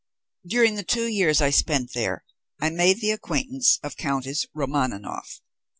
During the two years I spent there I made the acquaintance of Countess Romaninov.